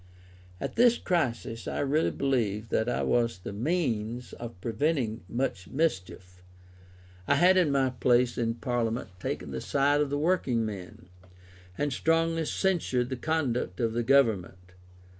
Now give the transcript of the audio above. At this crisis I really believe that I was the means of preventing much mischief. I had in my place in Parliament taken the side of the working men, and strongly censured the conduct of the Government.